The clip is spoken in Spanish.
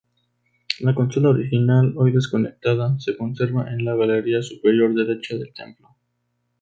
La consola original, hoy desconectada, se conserva en la galería superior derecha del templo.